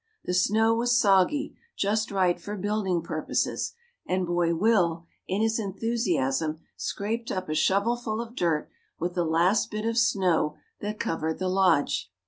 The snow was soggy just right for building purposes and Boy Will, in his enthusiasm, scraped up a shovelful of dirt with the last bit of snow that covered the lodge.